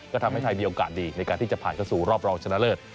ก็ทำให้ไทยมีโอกาสดีในการที่จะผ่านเข้าสู่รอบรองชนะเลิศ